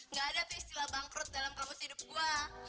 gak ada tuh istilah bangkrut dalam kelompok hidup gua